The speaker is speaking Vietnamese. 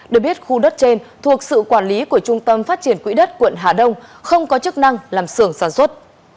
được biết khu đất trên thuộc sự quản lý của trung tâm phát triển quỹ đất quận hà đông không có chức năng làm sưởng sản xuất